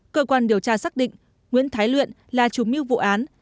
cơ quan điều tra xác định nguyễn thái luyện là chủ mưu vụ án